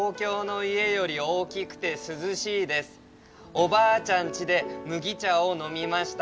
おばあちゃんちでむぎちゃをのみました。